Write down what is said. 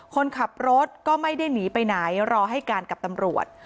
คนขับรถก็ไม่ได้หนีไปไหนรอให้การกับตำรวจ